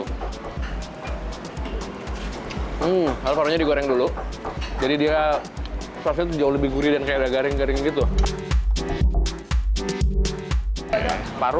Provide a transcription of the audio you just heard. cooperative goreng dulu jadi dia selesai jauh lebih gurih dan sejarah garing garing gitu paru